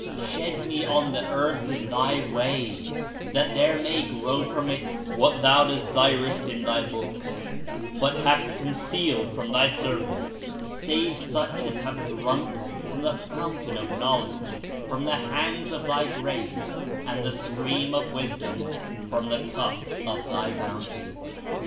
Shed me on the earth in Thy way, that there may grow from it what Thou desirest in Thy Books, but hast concealed from Thy servants save such as have drunk from the Fountain of knowledge from the hands of Thy grace and the Stream of wisdom from the cup of Thy bounty.